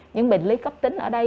những bệnh lý cấp tính ở đây